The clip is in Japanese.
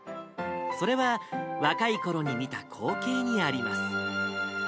それは、若いころに見た光景にあります。